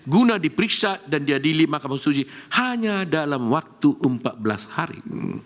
guna diperiksa dan diadili makam suji hanya dalam waktu empat belas hari